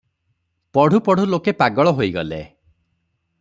ପଢ଼ୁ ପଢ଼ୁ ଲୋକେ ପାଗଳ ହୋଇଗଲେ ।